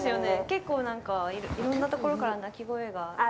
結構、いろんなところから鳴き声が。